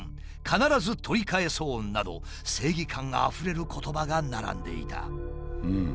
「必ず取り返そう」など正義感あふれる言葉が並んでいた。